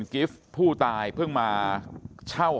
ตรของหอพักที่อยู่ในเหตุการณ์เมื่อวานนี้ตอนค่ำบอกให้ช่วยเรียกตำรวจให้หน่อย